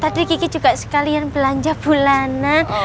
tadi kiki juga sekalian belanja bulanan